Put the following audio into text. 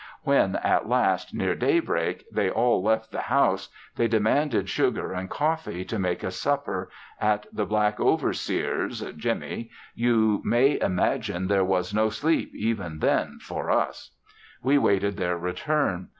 When at last, near daybreak they all left the house, they demanded sugar and coffee to make a supper, at the black overseer's (Jimmy), you may imagine there was no sleep even then for us. We waited their return.